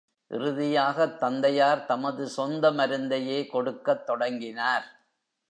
இறுதியாகத் தந்தையார் தமது சொந்த மருந்தையே கொடுக்கத் தொடங்கினார்.